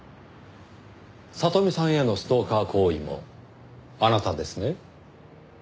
里美さんへのストーカー行為もあなたですね？